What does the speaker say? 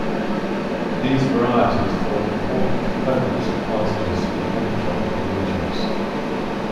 These varieties form important components of pastures in many tropical regions.